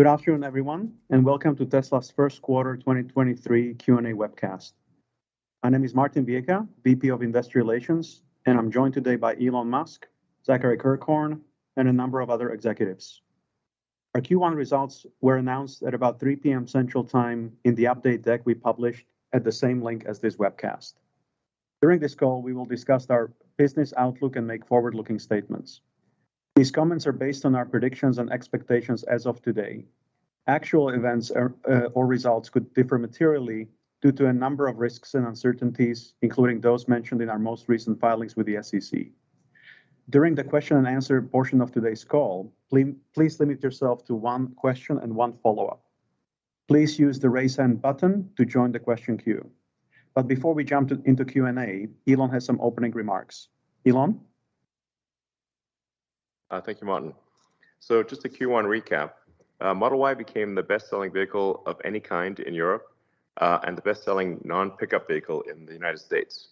Good afternoon, everyone, and welcome to Tesla's First Quarter 2023 Q&A Webcast. My name is Martin Viecha, VP of Investor Relations, and I'm joined today by Elon Musk, Zachary Kirkhorn, and a number of other executives. Our Q1 results were announced at about 3:00 P.M. Central Time in the update deck we published at the same link as this webcast. During this call, we will discuss our business outlook and make forward-looking statements. These comments are based on our predictions and expectations as of today. Actual events or results could differ materially due to a number of risks and uncertainties, including those mentioned in our most recent filings with the SEC. During the question and answer portion of today's call, please limit yourself to one question and one follow-up. Please use the Raise Hand button to join the question queue. Before we jump into Q&A, Elon has some opening remarks. Elon? Thank you, Martin. Just a Q1 recap. Model Y became the best-selling vehicle of any kind in Europe, and the best-selling non-pickup vehicle in the United States.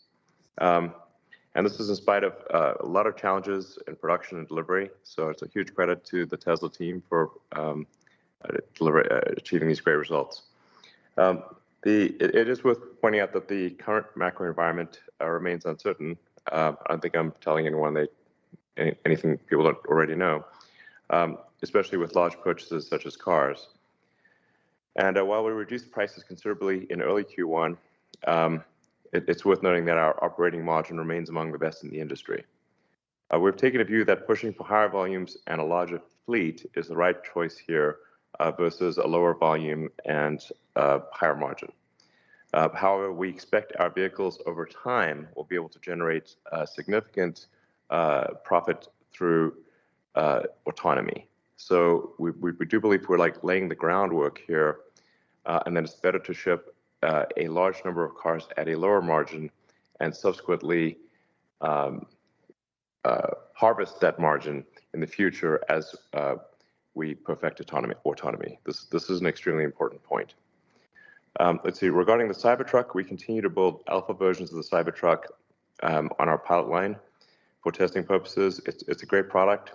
This is in spite of a lot of challenges in production and delivery, it's a huge credit to the Tesla team for achieving these great results. It is worth pointing out that the current macro environment remains uncertain, I don't think I'm telling anyone anything people don't already know, especially with large purchases such as cars. While we reduced prices considerably in early Q1, it's worth noting that our operating margin remains among the best in the industry. We've taken a view that pushing for higher volumes and a larger fleet is the right choice here, versus a lower volume and higher margin. However, we expect our vehicles over time will be able to generate significant profit through autonomy. We do believe we're, like, laying the groundwork here, and that it's better to ship a large number of cars at a lower margin and subsequently harvest that margin in the future as we perfect autonomy. This is an extremely important point. Let's see. Regarding the Cybertruck, we continue to build alpha versions of the Cybertruck, on our pilot line for testing purposes. It's a great product.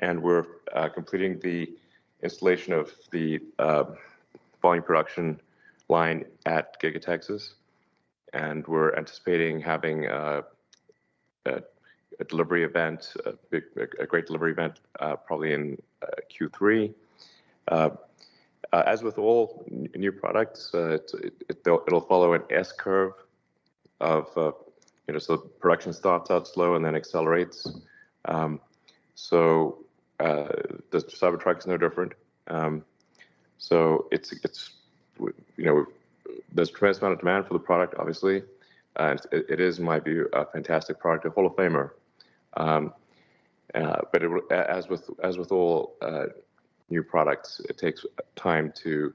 We're completing the installation of the volume production line at Giga Texas, and we're anticipating having a great delivery event, probably in Q3. As with all new products, it it'll follow an S-curve of, you know, so production starts out slow and then accelerates. The Cybertruck is no different. It's, you know, there's tremendous amount of demand for the product, obviously. It is, in my view, a fantastic product, a Hall of Famer. It will as with all new products, it takes time to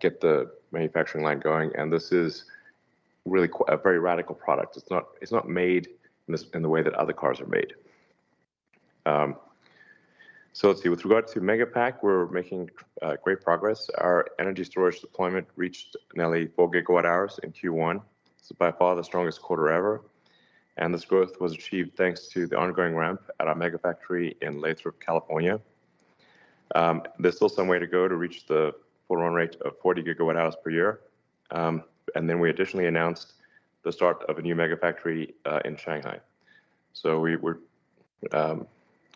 get the manufacturing line going, and this is really a very radical product. It's not made in the way that other cars are made. Let's see. With regard to Megapack, we're making great progress. Our energy storage deployment reached nearly 4 GWh in Q1. This is by far the strongest quarter ever. This growth was achieved thanks to the ongoing ramp at our Megafactory in Lathrop, California. There's still some way to go to reach the full run rate of 40 GWh per year. We additionally announced the start of a new Megafactory in Shanghai. We're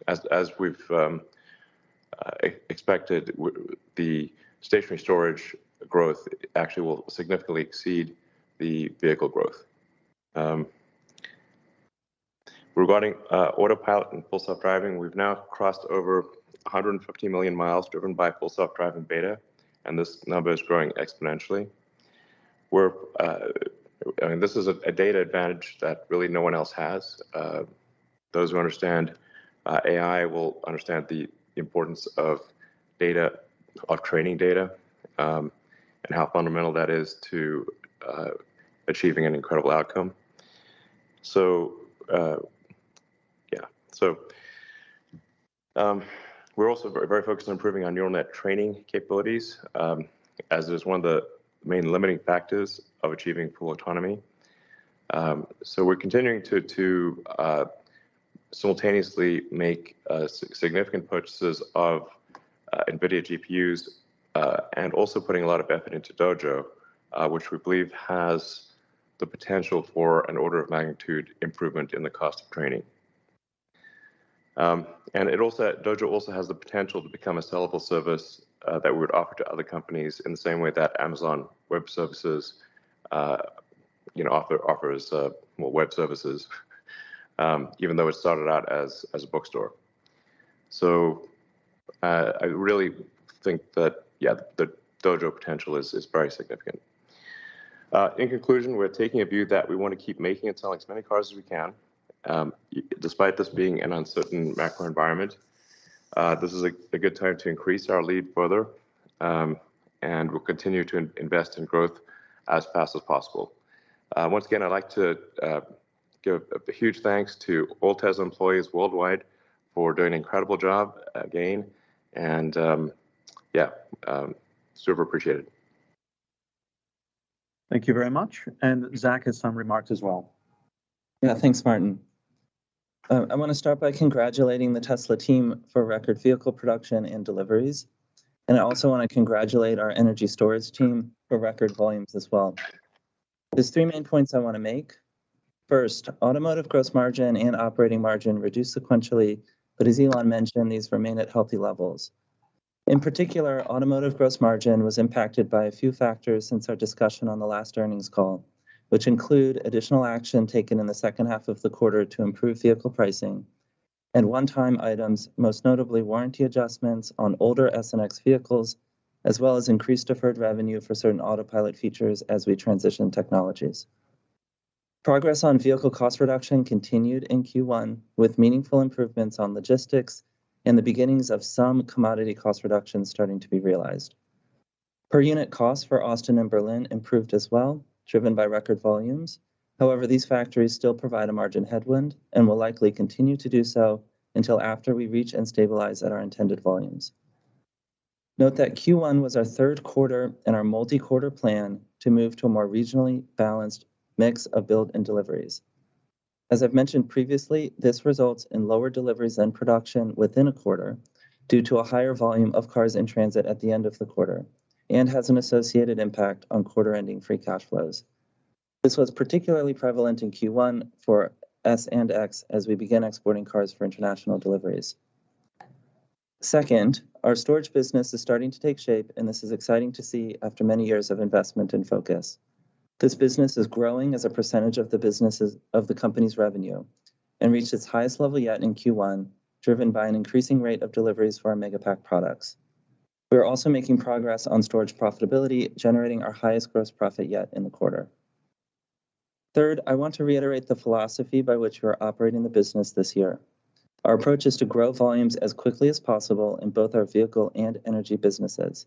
as we've expected the stationary storage growth actually will significantly exceed the vehicle growth. Regarding Autopilot and Full Self-Driving, we've now crossed over 150 million miles driven by Full Self-Driving Beta. This number is growing exponentially. We're I mean, this is a data advantage that really no one else has. Those who understand AI will understand the importance of data, of training data, and how fundamental that is to achieving an incredible outcome. Yeah. We're also very, very focused on improving our neural net training capabilities, as it is one of the main limiting factors of achieving full autonomy. We're continuing to simultaneously make significant purchases of NVIDIA GPUs, and also putting a lot of effort into Dojo, which we believe has the potential for an order of magnitude improvement in the cost of training. Dojo also has the potential to become a sellable service that we would offer to other companies in the same way that Amazon Web Services, you know, well, web services, even though it started out as a bookstore. I really think that, yeah, the Dojo potential is very significant. In conclusion, we're taking a view that we wanna keep making and selling as many cars as we can, despite this being an uncertain macro environment. This is a good time to increase our lead further, and we'll continue to invest in growth as fast as possible. Once again, I'd like to give a huge thanks to all Tesla employees worldwide for doing an incredible job again, and, yeah, super appreciated. Thank you very much. Zach has some remarks as well. Yeah. Thanks, Martin. I wanna start by congratulating the Tesla team for record vehicle production and deliveries. I also wanna congratulate our energy storage team for record volumes as well. There's three main points I wanna make. First, automotive gross margin and operating margin reduced sequentially. As Elon mentioned, these remain at healthy levels. In particular, automotive gross margin was impacted by a few factors since our discussion on the last earnings call, which include additional action taken in the second half of the quarter to improve vehicle pricing and one-time items, most notably warranty adjustments on older S and X vehicles, as well as increased deferred revenue for certain Autopilot features as we transition technologies. Progress on vehicle cost reduction continued in Q1, with meaningful improvements on logistics and the beginnings of some commodity cost reductions starting to be realized. Per unit costs for Austin and Berlin improved as well, driven by record volumes. These factories still provide a margin headwind and will likely continue to do so until after we reach and stabilize at our intended volumes. Note that Q1 was our third quarter in our multi-quarter plan to move to a more regionally balanced mix of build and deliveries. As I've mentioned previously, this results in lower deliveries than production within a quarter due to a higher volume of cars in transit at the end of the quarter and has an associated impact on quarter-ending free cash flows. This was particularly prevalent in Q1 for S and X as we began exporting cars for international deliveries. Our storage business is starting to take shape, and this is exciting to see after many years of investment and focus. This business is growing as a percentage of the company's revenue and reached its highest level yet in Q1, driven by an increasing rate of deliveries for our Megapack products. We are also making progress on storage profitability, generating our highest gross profit yet in the quarter. Third, I want to reiterate the philosophy by which we're operating the business this year. Our approach is to grow volumes as quickly as possible in both our vehicle and energy businesses.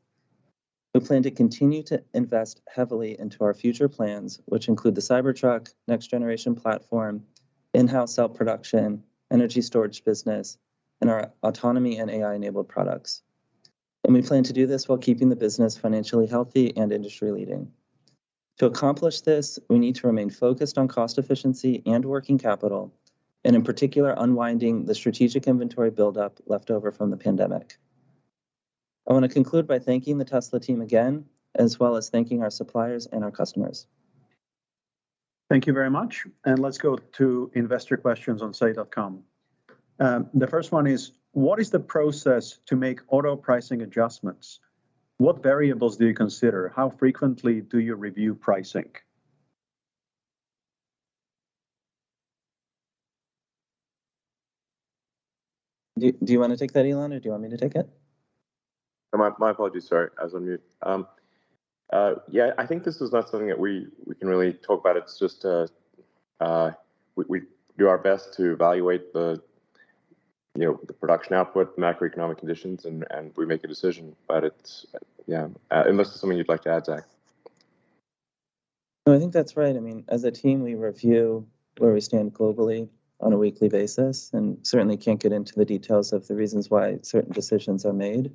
We plan to continue to invest heavily into our future plans, which include the Cybertruck, next generation platform, in-house cell production, energy storage business, and our autonomy and AI-enabled products. We plan to do this while keeping the business financially healthy and industry-leading. To accomplish this, we need to remain focused on cost efficiency and working capital, and in particular, unwinding the strategic inventory buildup left over from the pandemic. I wanna conclude by thanking the Tesla team again, as well as thanking our suppliers and our customers. Thank you very much. Let's go to investor questions on say.com. The first one is, what is the process to make auto pricing adjustments? What variables do you consider? How frequently do you review pricing? Do you wanna take that, Elon, or do you want me to take it? My apologies. Sorry. I was on mute. Yeah, I think this is not something that we can really talk about. It's just, we do our best to evaluate the, you know, the production output, macroeconomic conditions, and we make a decision. It's, yeah, unless there's something you'd like to add, Zach. I think that's right. I mean, as a team, we review where we stand globally on a weekly basis, and certainly can't get into the details of the reasons why certain decisions are made.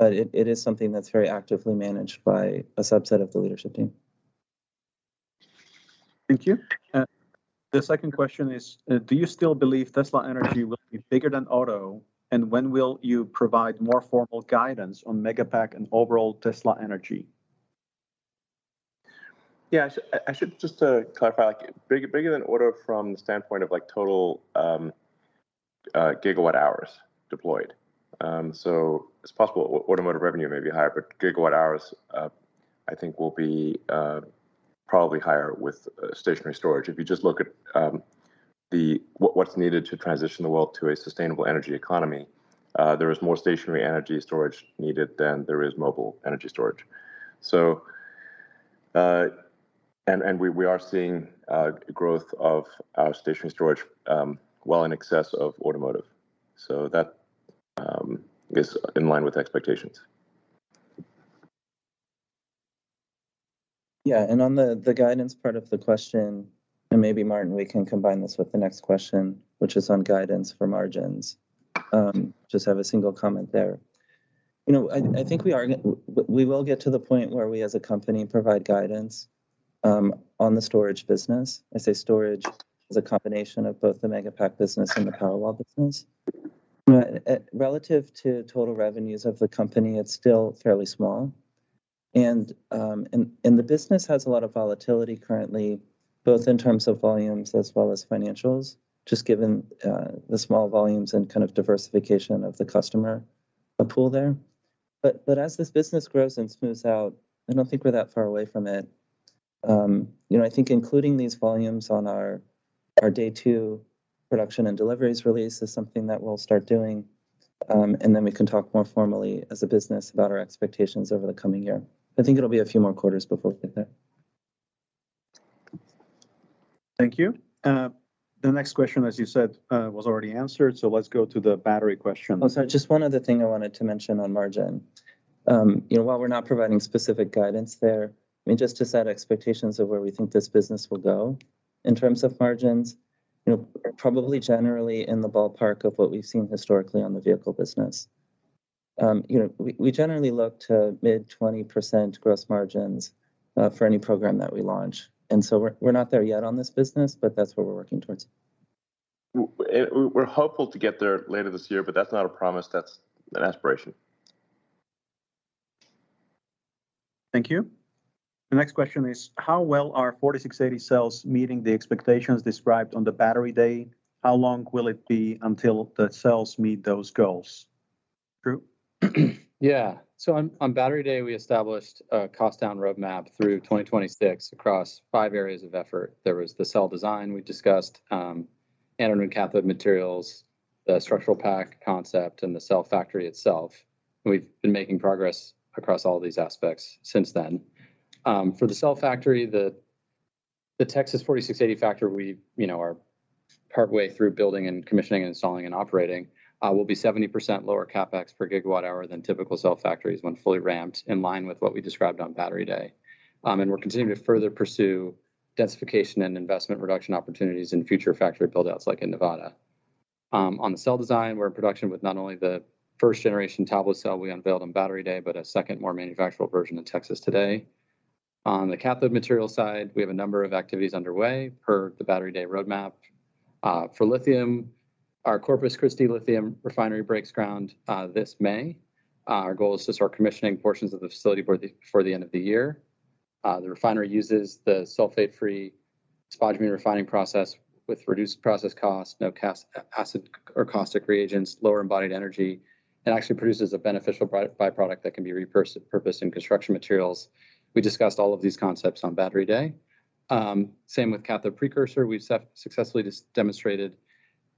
It is something that's very actively managed by a subset of the leadership team. Thank you. The second question is, do you still believe Tesla Energy will be bigger than auto, and when will you provide more formal guidance on Megapack and overall Tesla Energy? Yeah. I should just clarify, like, bigger than auto from the standpoint of, like, total gigawatt-hours deployed. It's possible automotive revenue may be higher, but gigawatt-hours, I think will be probably higher with stationary storage. If you just look at what's needed to transition the world to a sustainable energy economy, there is more stationary energy storage needed than there is mobile energy storage. We are seeing growth of our stationary storage, well in excess of automotive. That is in line with expectations. Yeah. On the guidance part of the question, and maybe, Martin, we can combine this with the next question, which is on guidance for margins. Just have a single comment there. You know, I think we will get to the point where we as a company provide guidance on the storage business. I say storage as a combination of both the Megapack business and the Powerwall business. Relative to total revenues of the company, it's still fairly small. The business has a lot of volatility currently, both in terms of volumes as well as financials, just given the small volumes and kind of diversification of the customer, the pool there. As this business grows and smooths out, I don't think we're that far away from it. You know, I think including these volumes on our day 2 production and deliveries release is something that we'll start doing, and then we can talk more formally as a business about our expectations over the coming year. I think it'll be a few more quarters before we get there. Thank you. The next question, as you said, was already answered, so let's go to the battery question. Oh, sorry. Just one other thing I wanted to mention on margin. You know, while we're not providing specific guidance there, I mean, just to set expectations of where we think this business will go in terms of margins, you know, probably generally in the ballpark of what we've seen historically on the vehicle business. You know, we generally look to mid 20% gross margins for any program that we launch. We're not there yet on this business, but that's what we're working towards. We're hopeful to get there later this year, but that's not a promise, that's an aspiration. Thank you. The next question is, how well are 4680 cells meeting the expectations described on the Battery Day? How long will it be until the cells meet those goals? Drew? On Battery Day, we established a cost down roadmap through 2026 across five areas of effort. There was the cell design we discussed, anode and cathode materials, the structural pack concept, and the cell factory itself. We've been making progress across all these aspects since then. For the cell factory, the Texas 4680 factory we, you know, are partway through building and commissioning and installing and operating, will be 70% lower CapEx per gigawatt hour than typical cell factories when fully ramped in line with what we described on Battery Day. We're continuing to further pursue densification and investment reduction opportunities in future factory build-outs like in Nevada. On the cell design, we're in production with not only the first generation tabless cell we unveiled on Battery Day, but a second more manufactured version in Texas today. On the cathode material side, we have a number of activities underway per the Battery Day roadmap. For lithium, our Corpus Christi lithium refinery breaks ground this May. Our goal is to start commissioning portions of the facility for the end of the year. The refinery uses the sulfate-free spodumene refining process with reduced process cost, no acid or caustic reagents, lower embodied energy, and actually produces a beneficial by-product that can be repurposed in construction materials. We discussed all of these concepts on Battery Day. Same with cathode precursor. We've successfully just demonstrated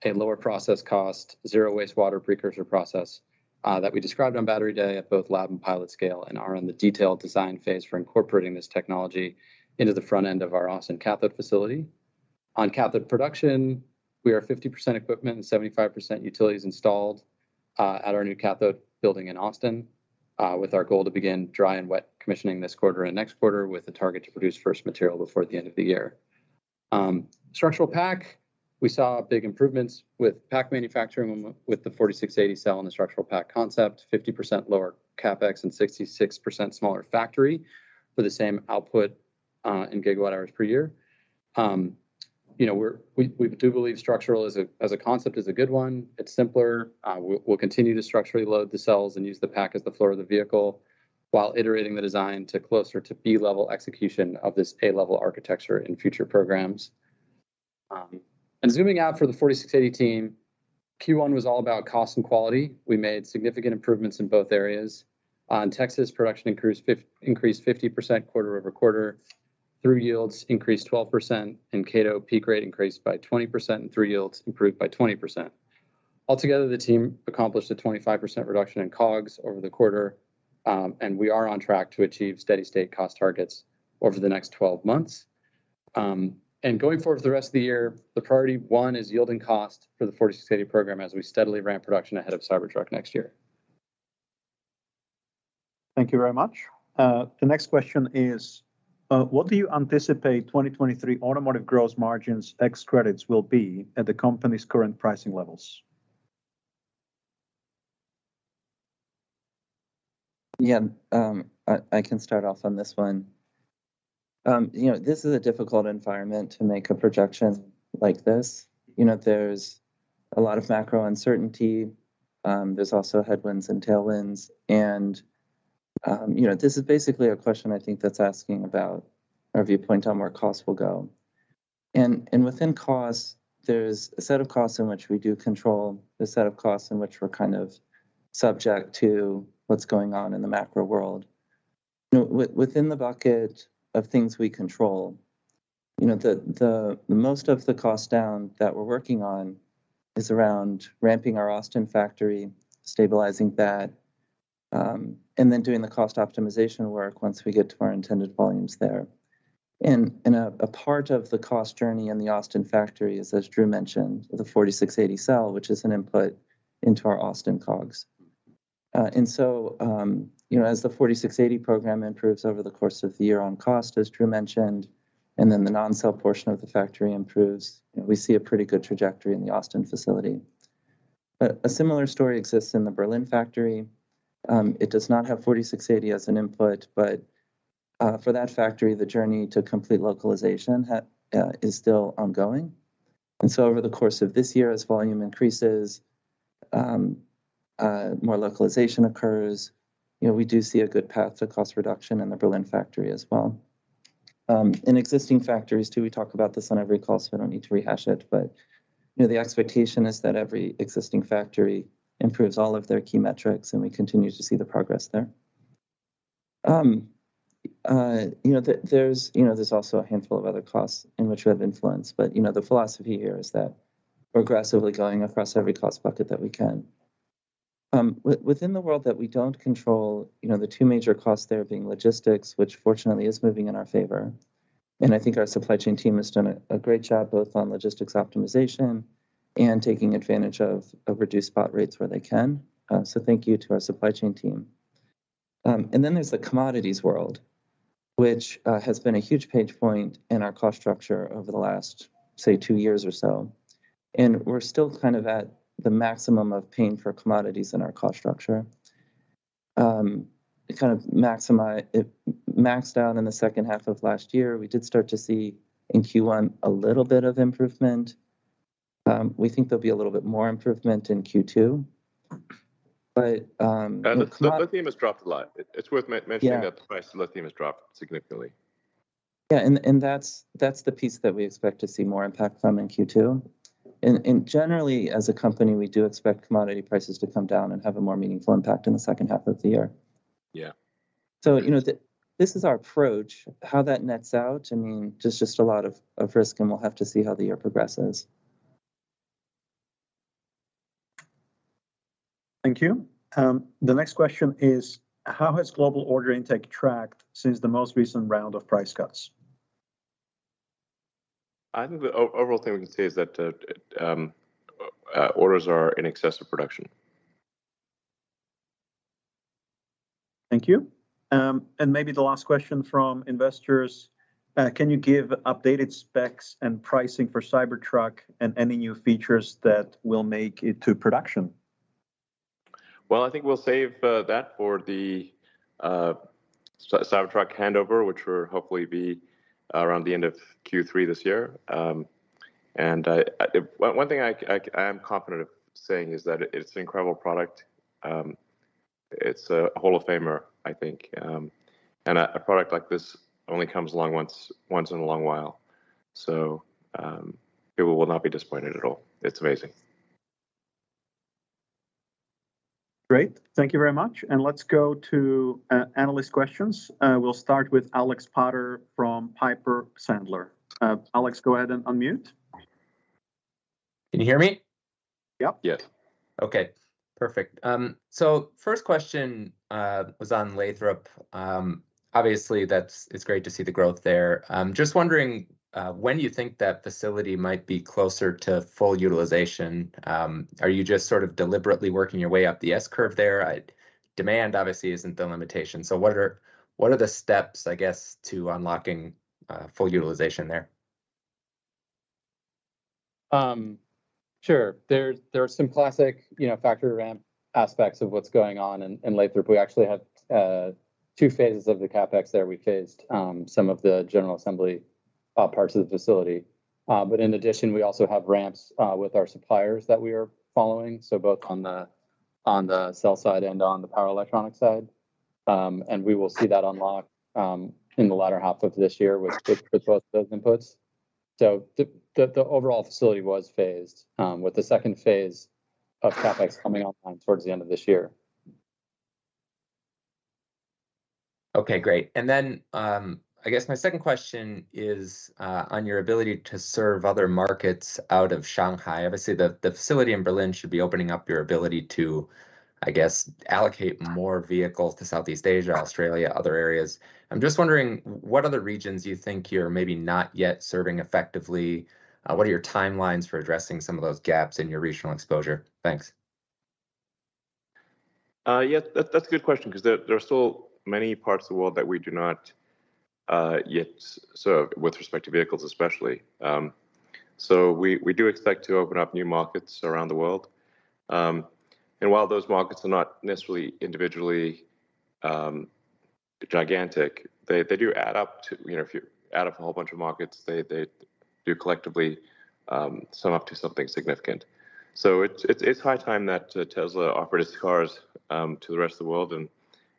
a lower process cost, zero wastewater precursor process that we described on Battery Day at both lab and pilot scale, and are in the detailed design phase for incorporating this technology into the front end of our Austin cathode facility. On cathode production, we are 50% equipment and 75% utilities installed at our new cathode building in Austin, with our goal to begin dry and wet commissioning this quarter and next quarter with a target to produce first material before the end of the year. Structural pack, we saw big improvements with pack manufacturing with the 4680 cell and the structural pack concept, 50% lower CapEx and 66% smaller factory for the same output in gigawatt hours per year. You know, we do believe structural as a concept is a good one. It's simpler. We'll continue to structurally load the cells and use the pack as the floor of the vehicle while iterating the design to closer to B-level execution of this A-level architecture in future programs. Zooming out for the 4680 team, Q1 was all about cost and quality. We made significant improvements in both areas. On Texas, production increased 50% quarter-over-quarter, throughput yields increased 12%, and cathode peak rate increased by 20%, and throughput yields improved by 20%. Altogether, the team accomplished a 25% reduction in COGS over the quarter, and we are on track to achieve steady state cost targets over the next 12 months. Going forward for the rest of the year, the priority one is yield and cost for the 4680 program as we steadily ramp production ahead of Cybertruck next year. Thank you very much. The next question is, what do you anticipate 2023 automotive gross margins x credits will be at the company's current pricing levels? Yeah. I can start off on this one. You know, this is a difficult environment to make a projection like this. You know, there's a lot of macro uncertainty. There's also headwinds and tailwinds and, you know, this is basically a question I think that's asking about our viewpoint on where costs will go. Within costs, there's a set of costs in which we do control, the set of costs in which we're kind of subject to what's going on in the macro world. You know, within the bucket of things we control, you know, most of the cost down that we're working on is around ramping our Austin factory, stabilizing that, and then doing the cost optimization work once we get to our intended volumes there. A part of the cost journey in the Austin factory is, as Drew mentioned, the 4680 cell, which is an input into our Austin COGS. So, you know, as the 4680 program improves over the course of the year on cost, as Drew mentioned, and then the non-sale portion of the factory improves, you know, we see a pretty good trajectory in the Austin facility. A similar story exists in the Berlin factory. It does not have 4680 as an input, for that factory, the journey to complete localization is still ongoing. So over the course of this year, as volume increases, more localization occurs, you know, we do see a good path to cost reduction in the Berlin factory as well. In existing factories too, we talk about this on every call, so we don't need to rehash it, but, you know, the expectation is that every existing factory improves all of their key metrics, and we continue to see the progress there. You know, there's, you know, there's also a handful of other costs in which we have influence, but, you know, the philosophy here is that we're aggressively going across every cost bucket that we can. Within the world that we don't control, you know, the two major costs there being logistics, which fortunately is moving in our favor, and I think our supply chain team has done a great job both on logistics optimization and taking advantage of reduced spot rates where they can. Thank you to our supply chain team. There's the commodities world, which has been a huge pain point in our cost structure over the last, say, 2 years or so. We're still kind of at the maximum of paying for commodities in our cost structure. It maxed out in the second half of last year. We did start to see in Q1 a little bit of improvement. We think there'll be a little bit more improvement in Q2. Lithium has dropped a lot. It's worth mentioning that the price of lithium has dropped significantly. Yeah. That's the piece that we expect to see more impact from in Q2. Generally, as a company, we do expect commodity prices to come down and have a more meaningful impact in the second half of the year. Yeah. You know, this is our approach. How that nets out, I mean, there's just a lot of risk, and we'll have to see how the year progresses. Thank you. The next question is: How has global order intake tracked since the most recent round of price cuts? I think the overall thing we can say is that, orders are in excess of production. Thank you. Maybe the last question from investors, can you give updated specs and pricing for Cybertruck and any new features that will make it to production? Well, I think we'll save that for the Cybertruck handover, which will hopefully be around the end of Q3 this year. I am confident of saying is that it's an incredible product. It's a Hall of Famer, I think. A product like this only comes along once in a long while. People will not be disappointed at all. It's amazing. Great. Thank you very much. Let's go to analyst questions. We'll start with Alex Potter from Piper Sandler. Alex, go ahead and unmute. Can you hear me? Yep. Yes. Okay. Perfect. First question was on Lathrop. Obviously it's great to see the growth there. Just wondering when you think that facility might be closer to full utilization. Are you just sort of deliberately working your way up the S-curve there? Demand obviously isn't the limitation. What are the steps, I guess, to unlocking full utilization there? Sure. There are some classic, you know, factory ramp aspects of what's going on in Lathrop. We actually had two phases of the CapEx there. We phased some of the general assembly parts of the facility. In addition, we also have ramps with our suppliers that we are following, so both on the cell side and on the power electronic side. We will see that unlock in the latter half of this year with both those inputs. The overall facility was phased with the second phase of CapEx coming online towards the end of this year. Okay. Great. I guess my second question is on your ability to serve other markets out of Shanghai. Obviously, the facility in Berlin should be opening up your ability to, I guess, allocate more vehicles to Southeast Asia, Australia, other areas. I'm just wondering what other regions you think you're maybe not yet serving effectively. What are your timelines for addressing some of those gaps in your regional exposure? Thanks. Yeah, that's a good question 'cause there are still many parts of the world that we do not yet serve with respect to vehicles especially. We do expect to open up new markets around the world. And while those markets are not necessarily individually gigantic, they do add up to, you know, if you add up a whole bunch of markets, they do collectively sum up to something significant. It's high time that Tesla offered its cars to the rest of the world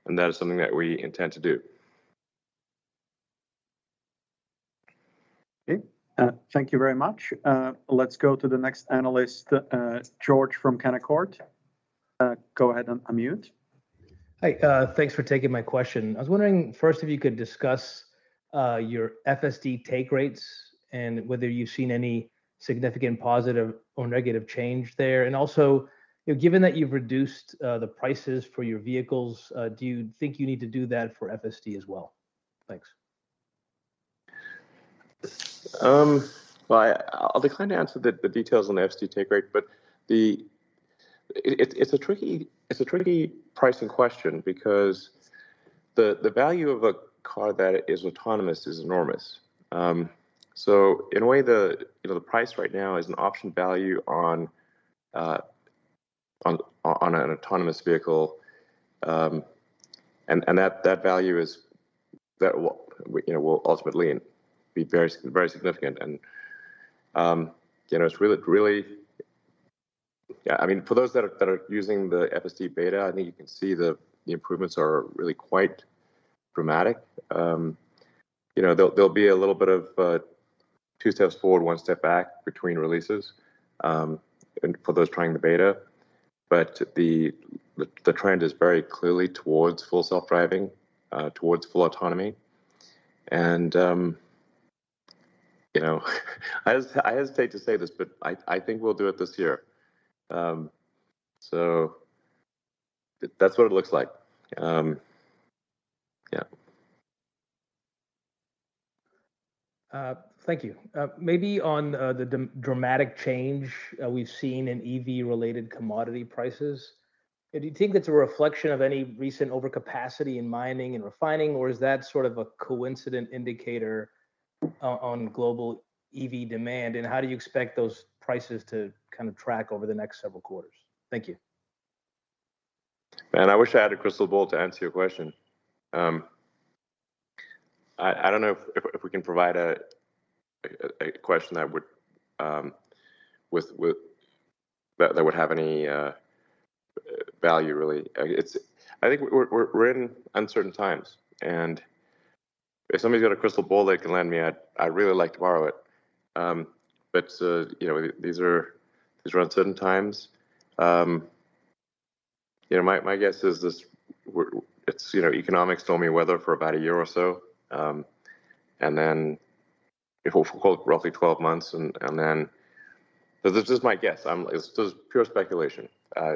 and that is something that we intend to do. Okay. Thank you very much. Let's go to the next analyst, George from Canaccord. Go ahead and unmute. Hi. Thanks for taking my question. I was wondering, first, if you could discuss your FSD take rates and whether you've seen any significant positive or negative change there. Also, you know, given that you've reduced the prices for your vehicles, do you think you need to do that for FSD as well? Thanks. Well, I'll decline to answer the details on the FSD take rate. It's a tricky pricing question because the value of a car that is autonomous is enormous. In a way, you know, the price right now is an option value on an autonomous vehicle. And that value that will, you know, will ultimately be very significant. You know, it's really, I mean, for those that are using the FSD Beta, I think you can see the improvements are really quite dramatic. You know, there'll be a little bit of two steps forward, one step back between releases, and for those trying the beta. The trend is very clearly towards Full Self-Driving, towards full autonomy. You know, I hesitate to say this, but I think we'll do it this year. That's what it looks like. Thank you. Maybe on the dramatic change we've seen in EV-related commodity prices. Do you think that's a reflection of any recent overcapacity in mining and refining, or is that sort of a coincident indicator on global EV demand? How do you expect those prices to kind of track over the next several quarters? Thank you. Man, I wish I had a crystal ball to answer your question. I don't know if we can provide a question that would have any value really. I think we're in uncertain times, and if somebody's got a crystal ball they can lend me, I'd really like to borrow it. You know, these are uncertain times. You know, my guess is this, it's, you know, economic stormy weather for about a year or so, and then. We call it roughly 12 months and then, this is just my guess, this is pure speculation.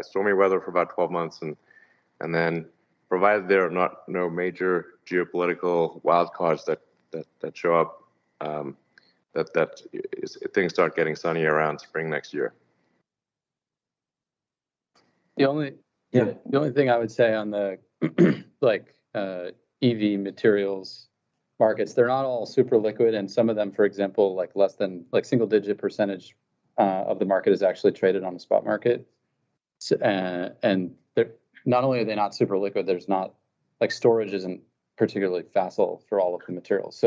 Stormy weather for about 12 months and then provided there are not no major geopolitical wild cards that show up, that is, things start getting sunny around spring next year. The only- Yeah. The only thing I would say on the, like, EV materials markets, they're not all super liquid, and some of them, for example, like, less than single-digit percentage of the market is actually traded on the spot market. Not only are they not super liquid, there's not like, storage isn't particularly facile for all of the materials.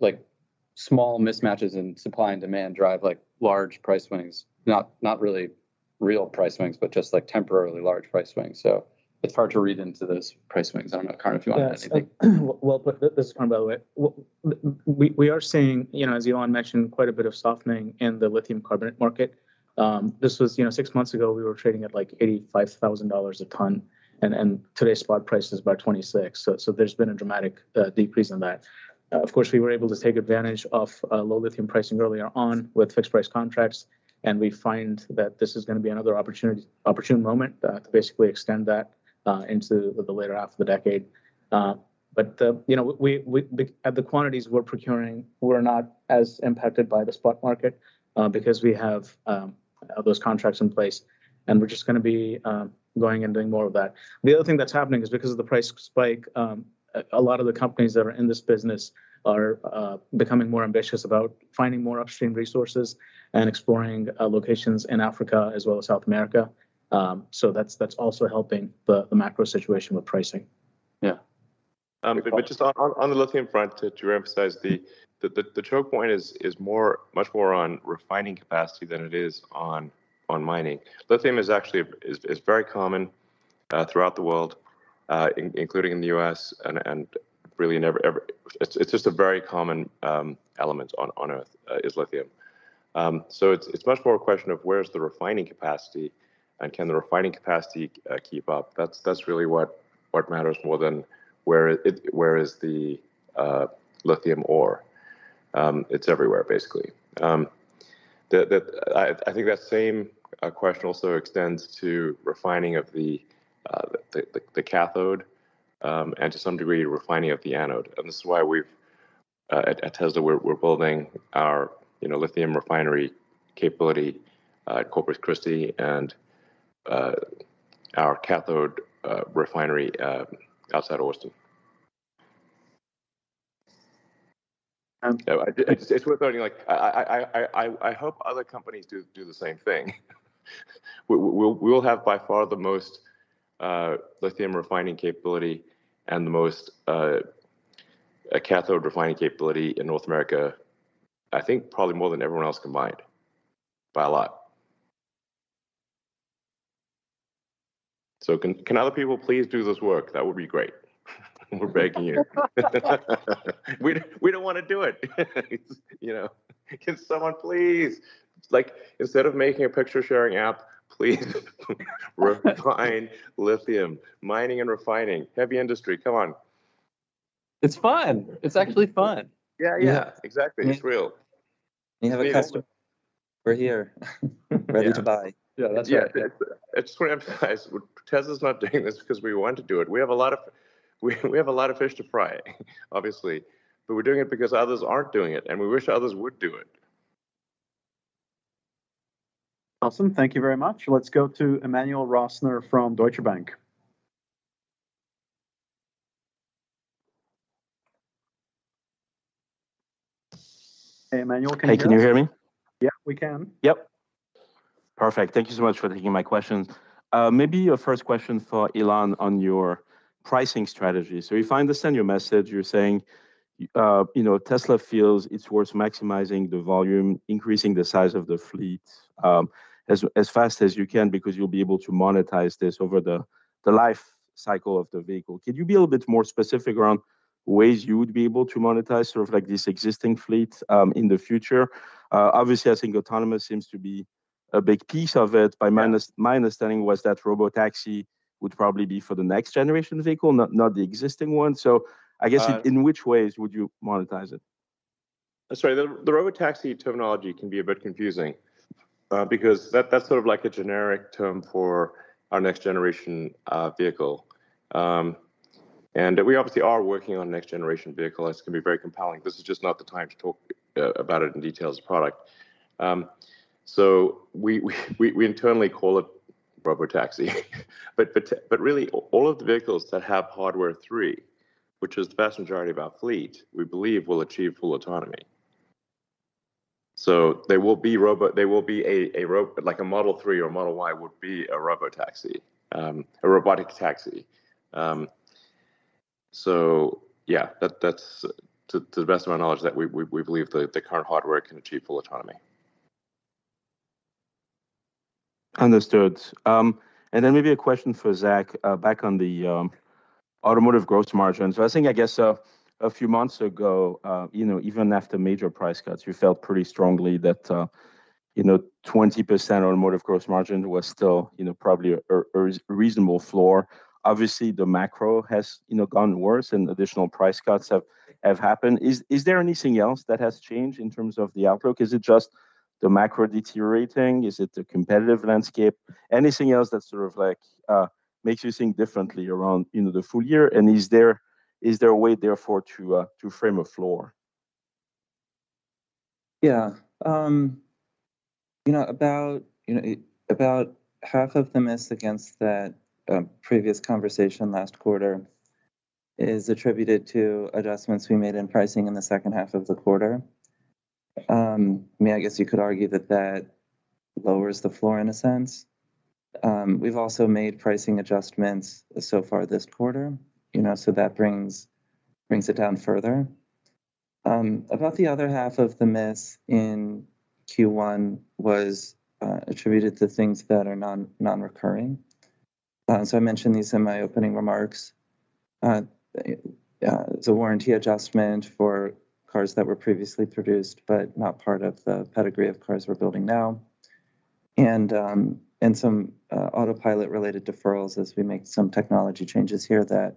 Like, small mismatches in supply and demand drive, like, large price swings. Not really real price swings, but just, like, temporarily large price swings. It's hard to read into those price swings. I don't know, Karan, if you want to add anything. Yeah. Well, this is Karan, by the way. We are seeing, you know, as Elon mentioned, quite a bit of softening in the lithium carbonate market. You know, 6 months ago, we were trading at, like, $85,000 a ton, and today's spot price is about $26,000. There's been a dramatic decrease in that. Of course, we were able to take advantage of low lithium pricing earlier on with fixed price contracts, and we find that this is gonna be another opportune moment to basically extend that into the later half of the decade. You know, at the quantities we're procuring, we're not as impacted by the spot market because we have those contracts in place, and we're just gonna be going and doing more of that. The other thing that's happening is because of the price spike, a lot of the companies that are in this business are becoming more ambitious about finding more upstream resources and exploring locations in Africa as well as South America. That's also helping the macro situation with pricing. Yeah. Just on the lithium front, to reemphasize, the choke point is much more on refining capacity than it is on mining. Lithium is actually very common throughout the world, including in the U.S., and really never ever. It's, it's just a very common element on Earth, is lithium. It's, it's much more a question of where's the refining capacity and can the refining capacity keep up. That's, that's really what matters more than where is the lithium ore. It's everywhere, basically. I think that same question also extends to refining of the cathode, and to some degree, refining of the anode. This is why we've, at Tesla, we're building our, you know, lithium refinery capability at Corpus Christi and, our cathode, refinery, outside Austin. It's worth noting, like, I hope other companies do the same thing. We will have by far the most, lithium refining capability and the most, cathode refining capability in North America. I think probably more than everyone else combined, by a lot. Can other people please do this work? That would be great. We're begging you. We don't want to do it. You know? Can someone please, like, instead of making a picture-sharing app, please refine lithium. Mining and refining. Heavy industry. Come on. It's fun. It's actually fun. Yeah. Yeah. Exactly. It's real. You have a customer. We're here, ready to buy. Yeah. That's right. Yeah. I just want to emphasize, Tesla's not doing this because we want to do it. We have a lot of fish to fry, obviously. We're doing it because others aren't doing it, and we wish others would do it. Awesome. Thank you very much. Let's go to Emmanuel Rosner from Deutsche Bank. Hey, Emmanuel, can you hear me? Hey, can you hear me? Yeah, we can. Perfect. Thank you so much for taking my questions. Maybe a first question for Elon on your pricing strategy. We finally understand your message. You're saying, you know, Tesla feels it's worth maximizing the volume, increasing the size of the fleet, as fast as you can because you'll be able to monetize this over the life cycle of the vehicle. Could you be a little bit more specific around ways you would be able to monetize sort of like this existing fleet in the future? Obviously, I think autonomous seems to be a big piece of it. My understanding was that Robotaxi would probably be for the next generation vehicle, not the existing one. So I guess in which ways would you monetize it? Sorry. The Robotaxi terminology can be a bit confusing. because that's sort of like a generic term for our next generation vehicle. We obviously are working on next generation vehicle. It's gonna be very compelling. This is just not the time to talk about it in detail as a product. We internally call it Robotaxi. Really all of the vehicles that have Hardware 3, which is the vast majority of our fleet, we believe will achieve full autonomy. They will be like a Model 3 or a Model Y would be a Robotaxi, a robotic taxi. Yeah, that's to the best of my knowledge that we believe the current hardware can achieve full autonomy. Understood. Then maybe a question for Zach, back on the automotive gross margin. I was thinking, I guess, a few months ago, you know, even after major price cuts, you felt pretty strongly that, you know, 20% automotive gross margin was still, you know, probably a reasonable floor. Obviously, the macro has, you know, gone worse and additional price cuts have happened. Is there anything else that has changed in terms of the outlook? Is it just the macro deteriorating? Is it the competitive landscape? Anything else that sort of like, makes you think differently around, you know, the full year? Is there a way therefore to frame a floor? Yeah. You know, about, you know, about half of the miss against that previous conversation last quarter is attributed to adjustments we made in pricing in the second half of the quarter. I mean, I guess you could argue that that lowers the floor in a sense. We've also made pricing adjustments so far this quarter, you know, that brings it down further. About the other half of the miss in Q1 was attributed to things that are non-recurring. I mentioned these in my opening remarks. It's a warranty adjustment for cars that were previously produced, but not part of the pedigree of cars we're building now. Some Autopilot-related deferrals as we make some technology changes here that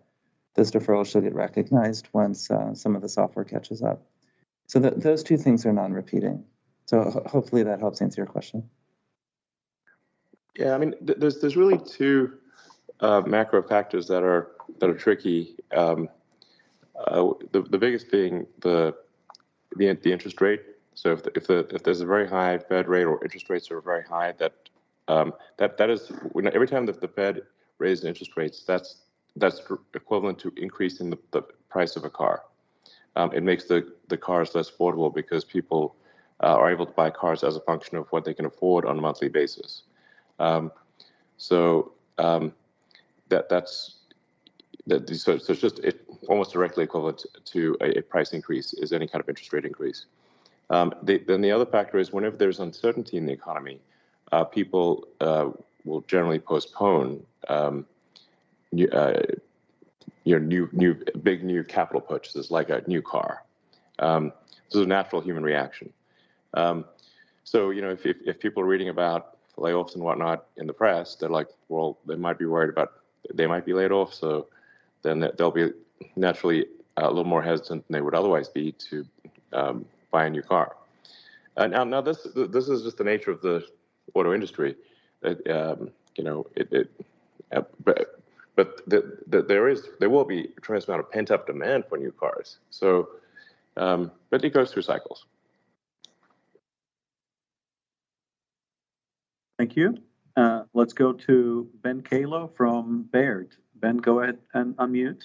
those deferrals should get recognized once some of the software catches up. Those two things are non-repeating. Hopefully that helps answer your question. Yeah. I mean, there's really two macro factors that are tricky. The biggest being the interest rate. If there's a very high Fed rate or interest rates are very high, that, you know, every time that the Fed raises interest rates, that's equivalent to increasing the price of a car. It makes the cars less affordable because people are able to buy cars as a function of what they can afford on a monthly basis. It's just it almost directly equivalent to a price increase is any kind of interest rate increase. Then the other factor is whenever there's uncertainty in the economy, people will generally postpone, you know, new, big, new capital purchases like a new car. This is a natural human reaction. You know, if people are reading about layoffs and whatnot in the press, they're like, well, they might be worried about they might be laid off, they'll be naturally a little more hesitant than they would otherwise be to buy a new car. Now this is just the nature of the auto industry that, you know. But there will be a tremendous amount of pent-up demand for new cars. It goes through cycles. Thank you. Let's go to Ben Kallo from Baird. Ben, go ahead and unmute.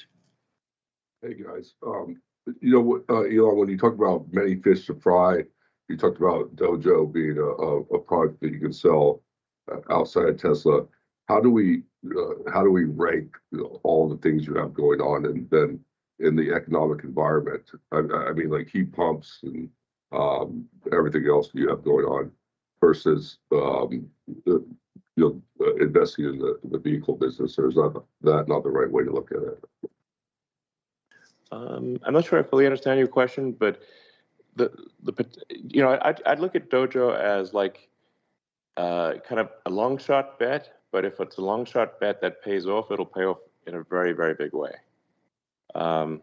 Hey, guys. You know, Elon, when you talk about many fish to fry, you talked about Dojo being a product that you can sell outside Tesla. How do we rank all the things you have going on and then in the economic environment? I mean, like heat pumps and everything else you have going on versus, you know, investing in the vehicle business. Is that not the right way to look at it? Um, I'm not sure I fully understand your question, but the, the, you know, I'd, I'd look at Dojo as, like, uh, kind of a long shot bet, but if it's a long shot bet that pays off, it'll pay off in a very, very big way. Um,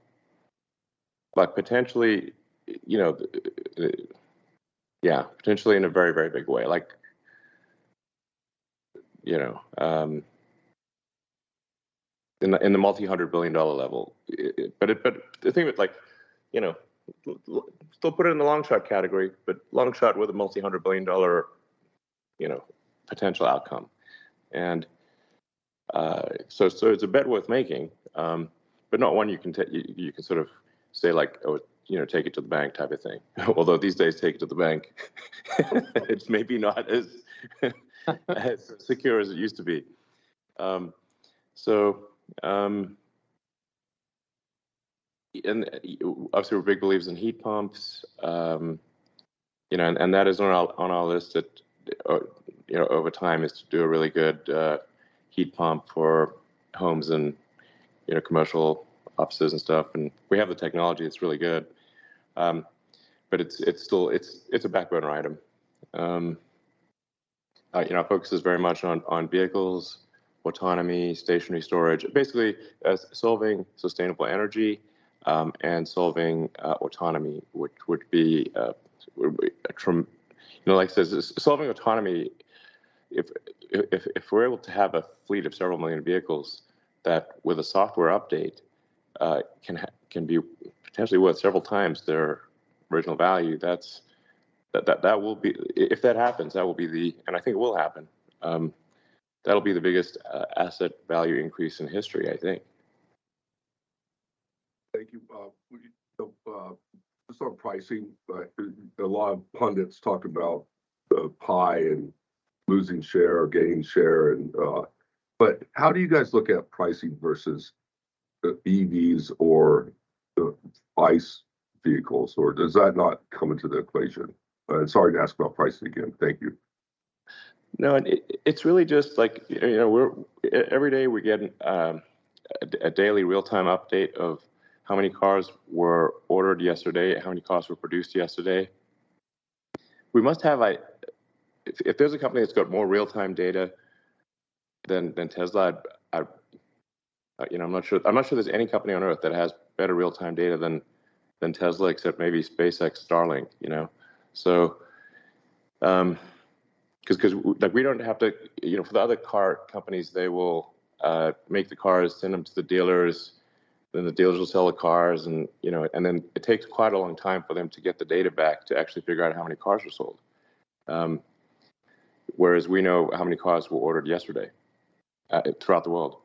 like potentially, you know, uh, yeah, potentially in a very, very big way. Like, you know, um, in the, in the multi-hundred billion dollar level. But it, but the thing with, like, you know, still put it in the long shot category, but long shot with a multi-hundred billion dollar, you know, potential outcome. And, uh, so, so it's a bet worth making, um, but not one you can take, you can sort of say like, oh, you know, take it to the bank type of thing. Although these days, take it to the bank it's maybe not as secure as it used to be. Obviously we're big believers in heat pumps. You know, that is on our list that, you know, over time is to do a really good heat pump for homes and, you know, commercial offices and stuff. We have the technology, it's really good. It's still, it's a backburner item. you know, our focus is very much on vehicles, autonomy, stationary storage, basically as solving sustainable energy, and solving autonomy, which would be, you know, like I said, solving autonomy, if we're able to have a fleet of several million vehicles that with a software update, can be potentially worth several times their original value. That will be. If that happens, that will be the. I think it will happen. That'll be the biggest asset value increase in history, I think. Thank you. Just on pricing, a lot of pundits talk about the pie and losing share or gaining share and, how do you guys look at pricing versus EVs or the ICE vehicles? Or does that not come into the equation? Sorry to ask about pricing again. Thank you. No, it's really just like, you know, every day, we get a daily real-time update of how many cars were ordered yesterday, how many cars were produced yesterday. We must have if there's a company that's got more real-time data than Tesla, I, you know, I'm not sure there's any company on earth that has better real-time data than Tesla, except maybe SpaceX Starlink, you know. 'cause like we don't have to, you know, for the other car companies, they will make the cars, send them to the dealers, then the dealers will sell the cars and, you know, and then it takes quite a long time for them to get the data back to actually figure out how many cars were sold. Whereas we know how many cars were ordered yesterday throughout the world.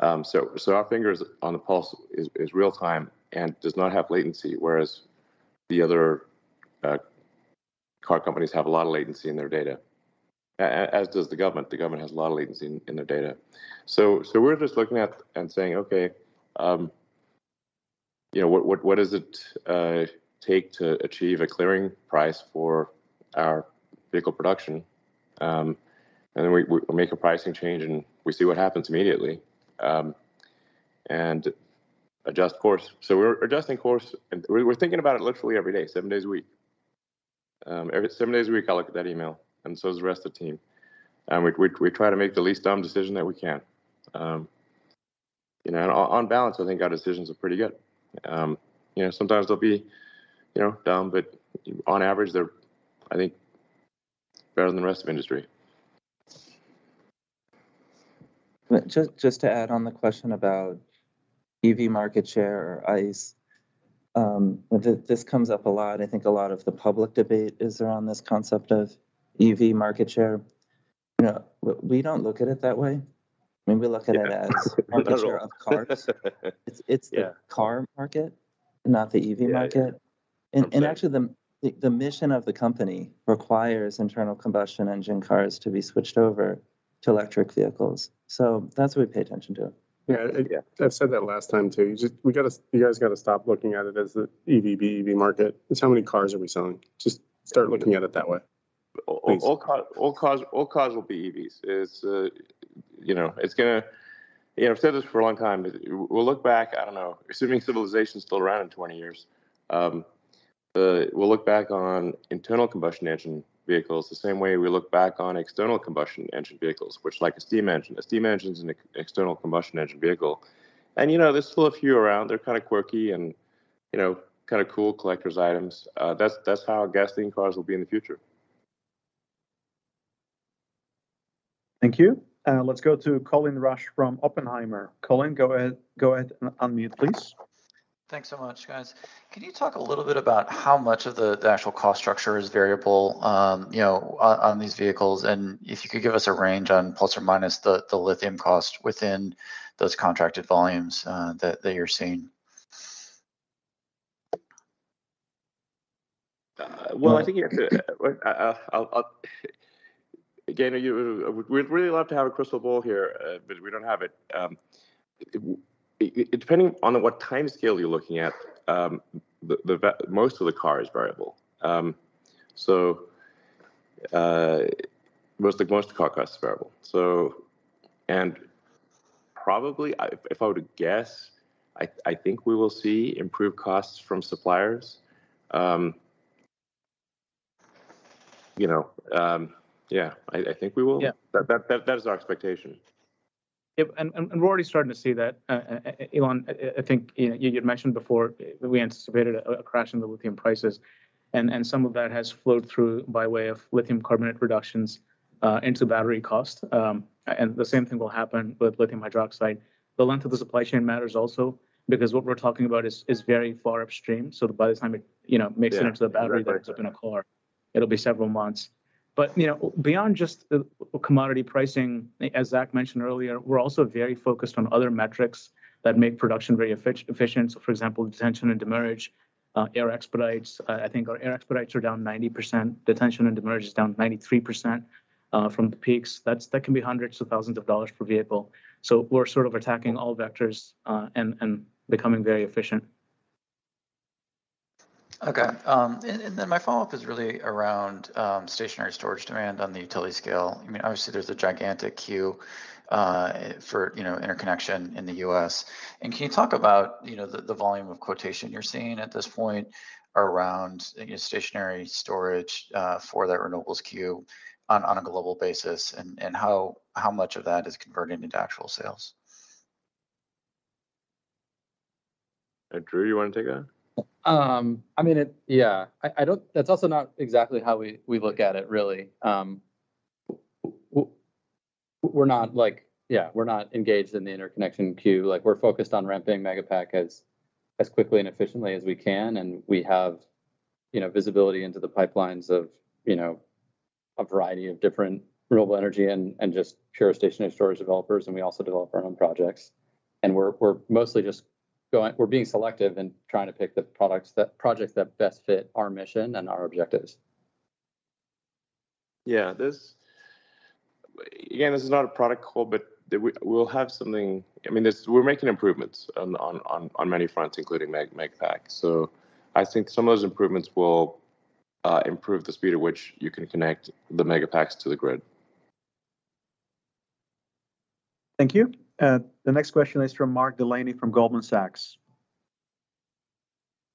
Our fingers on the pulse is real-time and does not have latency, whereas the other car companies have a lot of latency in their data, as does the government. The government has a lot of latency in their data. We're just looking at and saying, okay, you know, what does it take to achieve a clearing price for our vehicle production? Then we make a pricing change, and we see what happens immediately, and adjust course. We're adjusting course, and we're thinking about it literally every day, seven days a week. Every seven days a week, I look at that email, and so does the rest of the team. We try to make the least dumb decision that we can. You know, on balance, I think our decisions are pretty good. You know, sometimes they'll be, you know, dumb, on average, they're, I think, better than the rest of the industry. Just to add on the question about EV market share or ICE, this comes up a lot. I think a lot of the public debate is around this concept of EV market share. You know, we don't look at it that way. I mean, we look at it. Not at all. market share of cars. It's the car market, not the EV market. Actually, the mission of the company requires internal combustion engine cars to be switched over to electric vehicles. That's what we pay attention to. Yeah. Yeah. I said that last time too. You just, we gotta, you guys gotta stop looking at it as the EV, BEV market. It's how many cars are we selling. Just start looking at it that way. Thanks. All cars will be EVs. It's, you know, it's gonna, you know, I've said this for a long time. We'll look back, I don't know, assuming civilization's still around in 20 years, we'll look back on internal combustion engine vehicles the same way we look back on external combustion engine vehicles, which like a steam engine. A steam engine's an external combustion engine vehicle. You know, there's still a few around. They're kind of quirky and, you know, kind of cool collector's items. That's how gasoline cars will be in the future. Thank you. Let's go to Colin Rusch from Oppenheimer. Colin, go ahead and unmute, please. Thanks so much, guys. Can you talk a little bit about how much of the actual cost structure is variable, you know, on these vehicles? If you could give us a range on plus or minus the lithium cost within those contracted volumes that you're seeing? Well, I think. Again, we'd really love to have a crystal ball here, we don't have it. Depending on what time scale you're looking at, the most of the car is variable. Most of the car cost is variable. Probably if I were to guess, I think we will see improved costs from suppliers. You know, yeah, I think we will. That is our expectation. We're already starting to see that. Elon, I think, you know, you'd mentioned before that we anticipated a crash in the lithium prices, some of that has flowed through by way of lithium carbonate reductions, into battery cost. The same thing will happen with lithium hydroxide. The length of the supply chain matters also, because what we're talking about is very far upstream, so by the time it, you know, makes it into the battery that ends up in a car, it'll be several months. You know, beyond just the commodity pricing, as Zach mentioned earlier, we're also very focused on other metrics that make production very efficient. For example, detention and demurrage, air expedites. I think our air expedites are down 90%. Detention and demurrage is down 93% from the peaks. That can be hundreds of thousands of dollars per vehicle. We're sort of attacking all vectors and becoming very efficient. Okay, then my follow-up is really around stationary storage demand on the utility scale. I mean, obviously there's a gigantic queue for, you know, interconnection in the U.S. Can you talk about, you know, the volume of quotation you're seeing at this point around, you know, stationary storage for that renewables queue on a global basis, and how much of that is converting into actual sales? Drew, you wanna take that? I mean, yeah. I don't. That's also not exactly how we look at it, really. We're not engaged in the interconnection queue. Like, we're focused on ramping Megapack as quickly and efficiently as we can, and we have, you know, visibility into the pipelines of, you know, a variety of different renewable energy and just pure stationary storage developers, and we also develop our own projects. And we're mostly just being selective and trying to pick the projects that best fit our mission and our objectives. Yeah. Again, this is not a product call, but we'll have something, I mean, we're making improvements on many fronts, including Megapack. I think some of those improvements will improve the speed at which you can connect the Megapacks to the grid. Thank you. The next question is from Mark Delaney from Goldman Sachs.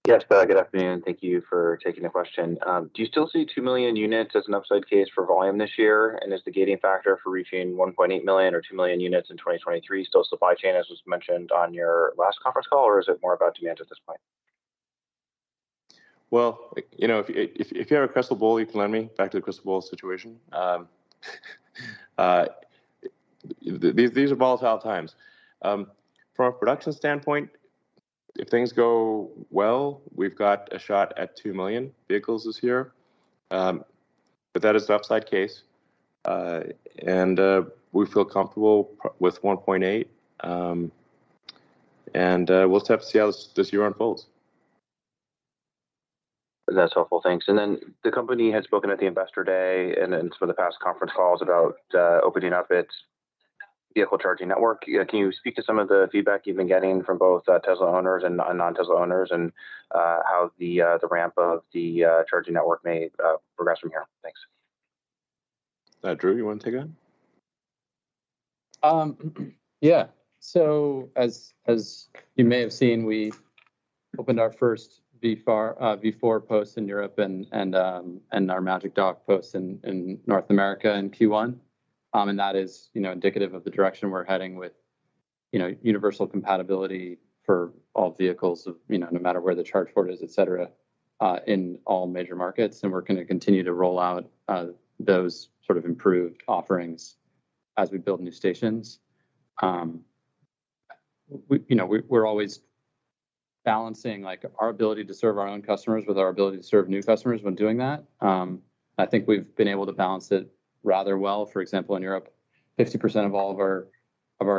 Yes. Good afternoon. Thank you for taking the question. Do you still see 2 million units as an upside case for volume this year? Is the gating factor for reaching 1.8 million or 2 million units in 2023 still supply chain, as was mentioned on your last conference call, or is it more about demand at this point? Well, you know, if you have a crystal ball, you can lend me, back to the crystal ball situation. These are volatile times. From a production standpoint, if things go well, we've got a shot at 2 million vehicles this year. But that is the upside case. We feel comfortable with 1.8 million. We'll just have to see how this year unfolds. That's helpful. Thanks. The company had spoken at the Investor Day and then for the past conference calls about opening up its vehicle charging network. Can you speak to some of the feedback you've been getting from both Tesla owners and non-Tesla owners and how the ramp of the charging network may progress from here? Thanks. Drew, you wanna take that? Yeah. As you may have seen, we opened our first V4 post in Europe and our Magic Dock posts in North America in Q1. That is, you know, indicative of the direction we're heading with, you know, universal compatibility for all vehicles of, you know, no matter where the charge port is, et cetera, in all major markets. We're gonna continue to roll out those sort of improved offerings as we build new stations. You know, we're always balancing, like, our ability to serve our own customers with our ability to serve new customers when doing that. I think we've been able to balance it rather well. For example, in Europe, 50% of all of our